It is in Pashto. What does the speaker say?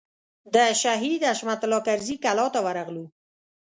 د شهید حشمت الله کرزي کلا ته ورغلو.